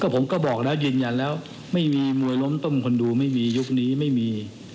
ผมก็บอกแล้วยืนยันแล้วไม่มีมวยล้มต้มคนดูไม่มียุคนี้ไม่มี